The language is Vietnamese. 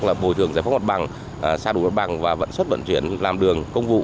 là bồi thường giải phóng mặt bằng xa đủ mặt bằng và vận xuất vận chuyển làm đường công vụ